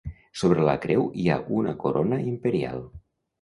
Sobre la creu hi ha una corona imperial.